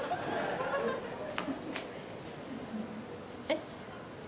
えっ？